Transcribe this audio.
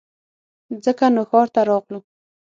ځکه نو ښار ته راغلو